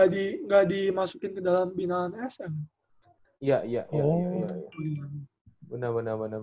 dia gak dimasukin ke dalam binaan sm